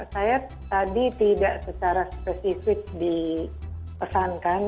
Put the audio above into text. saya tadi tidak secara spesifik dipesankan